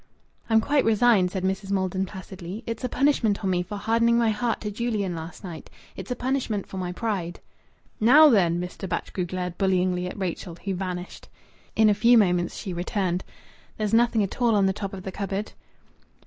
"I'm quite resigned," said Mrs. Maldon placidly. "It's a punishment on me for hardening my heart to Julian last night. It's a punishment for my pride." "Now, then!" Mr. Batchgrew glared bullyingly at Rachel, who vanished. In a few moments she returned. "There's nothing at all on the top of the cupboard."